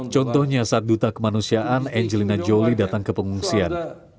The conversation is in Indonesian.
contohnya saat duta kemanusiaan angelina jolie datang ke pengungsian